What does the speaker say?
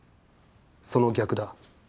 その逆だ。